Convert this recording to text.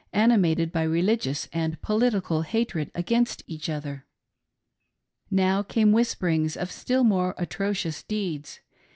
animated by religious and politi cal hatred against each other. Now came whisperings of still more atrocious deeds.